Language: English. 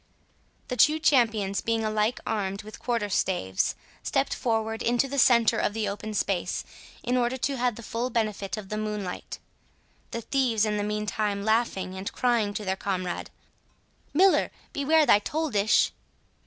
The two champions being alike armed with quarter staves, stepped forward into the centre of the open space, in order to have the full benefit of the moonlight; the thieves in the meantime laughing, and crying to their comrade, "Miller! beware thy toll dish."